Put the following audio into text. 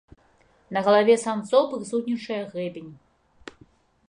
На галаве самцоў прысутнічае грэбень.